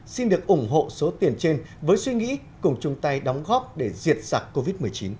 xin được ủng hộ số tiền trên với suy nghĩ cùng chung tay đóng góp để diệt giặc covid một mươi chín